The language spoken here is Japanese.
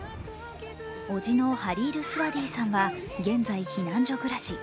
叔父のハリール・スワディさんは現在避難所暮らし。